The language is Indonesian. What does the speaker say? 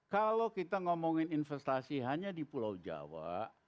kalau kita ngomongin investasi hanya di pulau jawa